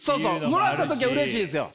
もらった時はうれしいんですよ！